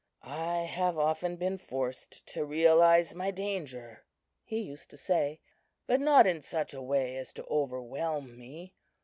"I have often been forced to realize my danger," he used to say, "but not in such a way as to overwhelm me.